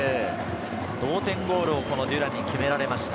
同点ゴールをデュランに決められました。